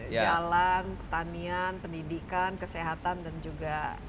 jalan tanian pendidikan kesehatan dan juga sdm nya